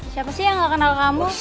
siapa sih yang gak kenal kamu